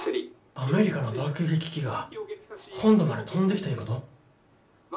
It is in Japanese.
アメリカの爆撃機が本土まで飛んできたいうこと？